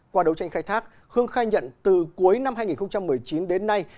qua đấu tranh khai thác hương khai nhận từ cuối năm hai nghìn một mươi chín đến nay